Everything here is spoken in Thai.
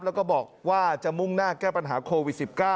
แล้วก็บอกว่าจะมุ่งหน้าแก้ปัญหาโควิด๑๙